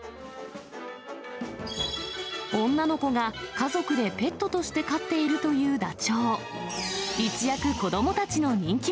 女の子が家族でペットとして飼っているというダチョウ。